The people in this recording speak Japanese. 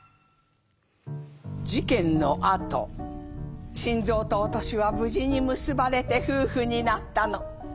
「事件のあと新蔵とお敏は無事に結ばれて夫婦になったの。